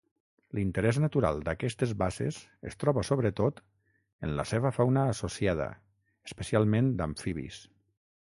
L'interès natural d'aquestes basses es troba sobretot en la seva fauna associada, especialment d'amfibis.